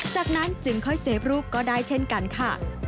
จากนั้นจึงค่อยเซฟรูปก็ได้เช่นกันค่ะ